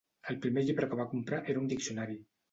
El primer llibre que va comprar era un diccionari.